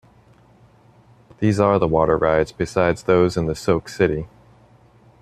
These are the water rides besides those in the Soak City.